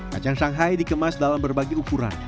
kacang shanghai dikemas dalam berbagai ukuran